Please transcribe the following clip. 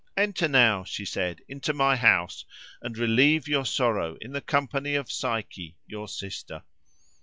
"Enter now," she said, "into my house, and relieve your sorrow in the company of Psyche your sister."